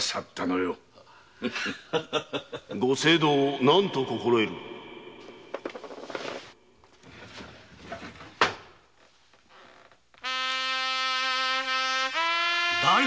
・ご政道を何と心得るだれだ？